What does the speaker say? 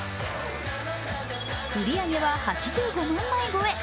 売り上げは８５万枚超え。